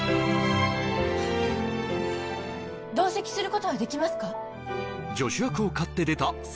同席することはできますか？